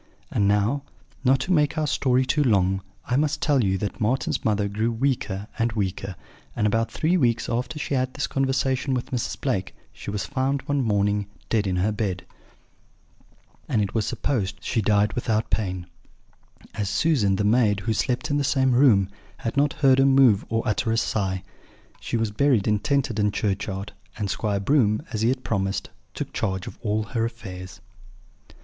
And now, not to make our story too long, I must tell you that Marten's mother grew weaker and weaker, and about three weeks after she had had this conversation with Mrs. Blake she was found one morning dead in her bed; and it was supposed she died without pain, as Susan, the maid, who slept in the same room, had not heard her move or utter a sigh. She was buried in Tenterden churchyard, and Squire Broom, as he had promised, took charge of all her affairs.